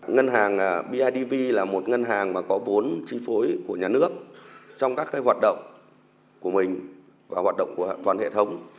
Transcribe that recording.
ngân hàng bidv là một ngân hàng mà có vốn chi phối của nhà nước trong các hoạt động của mình và hoạt động của toàn hệ thống